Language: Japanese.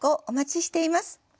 お待ちしています。